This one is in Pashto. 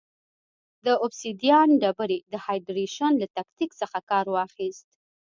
د اوبسیدیان ډبرې د هایدرېشن له تکتیک څخه کار واخیست.